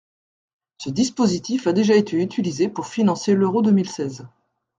Ce dispositif a déjà été utilisé pour financer l’Euro deux mille seize.